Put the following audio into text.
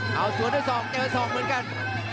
เอาส่วนด้วยส่องเจอส่องเหมือนกัน